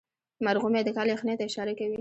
مرغومی د کال یخنۍ ته اشاره کوي.